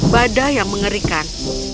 badai yang mengerikan